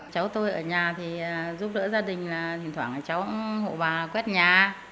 cháu tôi ở nhà thì giúp đỡ gia đình là thỉnh thoảng cháu hộ bà quét nhà